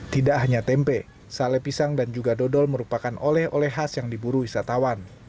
tidak hanya tempe sale pisang dan juga dodol merupakan oleh oleh khas yang diburu wisatawan